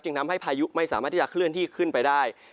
ทำให้พายุไม่สามารถที่จะเคลื่อนที่ขึ้นไปได้